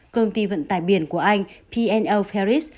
công ty vận tải biển của anh p l ferris